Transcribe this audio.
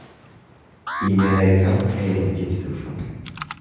Imir-a kan ay ten-id-tufa.